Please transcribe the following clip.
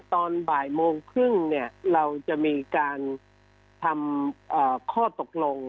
ตอนบ่ายโมงครึ่งเราจะมีการทำข้อตกลง